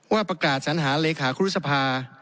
ว่าประกาศสัญหาเลขาครุษภา